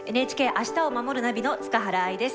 「明日をまもるナビ」の塚原愛です。